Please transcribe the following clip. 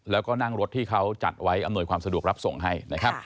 แล้วก็นั่งรถที่เขาจัดไว้อำนวยความสะดวกรับส่งให้นะครับ